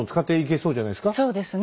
そうですね。